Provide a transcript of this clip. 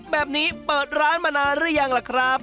แบบนี้เปิดร้านมานานหรือยังล่ะครับ